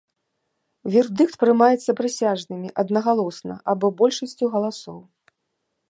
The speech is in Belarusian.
Вердыкт прымаецца прысяжнымі аднагалосна або большасцю галасоў.